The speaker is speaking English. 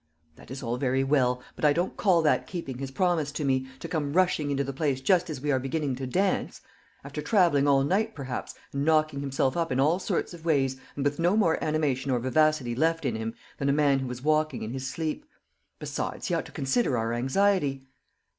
"That is all very well; but I don't call that keeping his promise to me, to come rushing into the place just as we are beginning to dance; after travelling all night perhaps, and knocking himself up in all sorts of ways, and with no more animation or vivacity left in him than a man who is walking in his sleep. Besides, he ought to consider our anxiety."